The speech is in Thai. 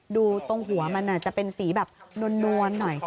ดูตรงหัวมันจะเป็นสีแบบนวลหน่อย